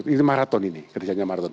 ini maraton ini kerjanya maraton